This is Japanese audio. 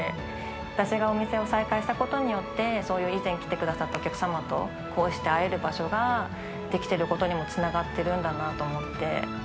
私がお店を再開したことによって、そういう以前来てくださったお客様とこうして会える場所が出来てることにもつながってるんだなと思って。